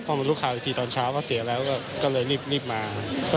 เพราะมีลูกข่าวอีกทีตอนเช้าก็เสียแล้วก็เลยรีบมาครับ